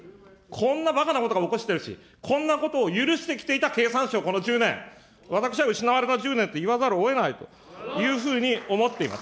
こんなばかなことを許しているし、こんなことを許してきていた経産省、この１０年、私は失われた１０年と言わざるをえないというふうに思っています。